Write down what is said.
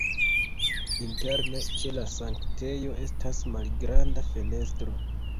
Interne ĉe la sanktejo estas malgranda fenestro.